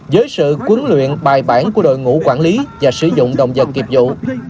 với sự huấn luyện bài bản của đội ngũ quản lý và sử dụng đồng vật nghiệp vụ